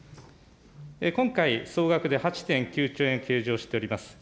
今回、総額で８．９兆円計上しております。